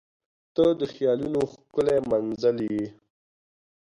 • ته د خیالونو ښکلی منزل یې.